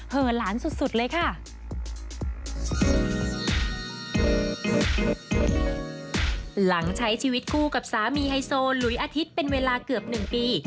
หลังใช้ชีวิตคู่กับสามีไฮโซนหลุยอาทิตย์เป็นเวลาเกือบนึงปี